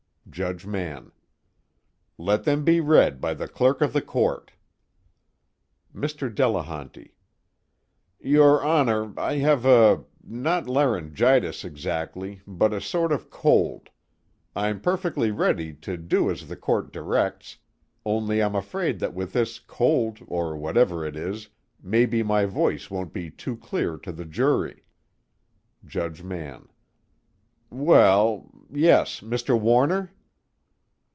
JUDGE MANN: Let them be read by the clerk of the court. MR. DELEHANTY: Your Honor, I have a not laryngitis exactly, but a sort of cold. I'm perfectly ready to do as the Court directs, only I'm afraid that with this cold or whatever it is, maybe my voice won't be too clear to the jury. JUDGE MANN: Well ... Yes, Mr. Warner?